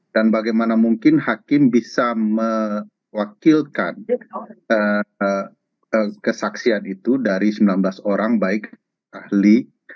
dan bagaimana mungkin hakim bisa mewakilkan kesaksian itu dari sembilan belas orang baik ahli